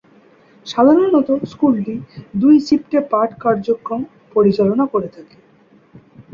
সাধারণত স্কুলটি দুই শিফটে পাঠ কার্যক্রম পরিচালনা করে থাকে।